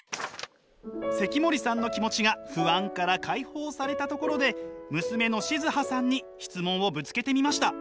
関森さんの気持ちが不安から解放されたところで娘の静巴さんに質問をぶつけてみました。